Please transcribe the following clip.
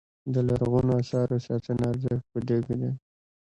د لرغونو اثارو ساتنې ارزښت په دې کې دی.